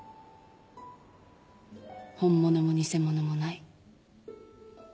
本物も偽物もない。